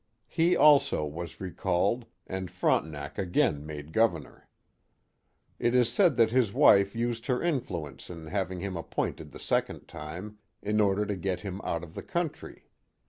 He, also, was recalled, and Frontenac again made Governor. It is said that his wife used her influence in having him appointed the second time, in order to get him out of the country.